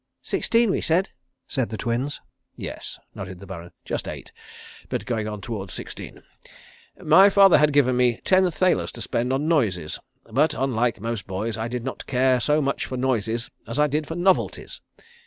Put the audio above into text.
"Sixteen we said," said the Twins. "Yes," nodded the Baron. "Just eight, but going on towards sixteen. My father had given me ten thalers to spend on noises, but unlike most boys I did not care so much for noises as I did for novelties.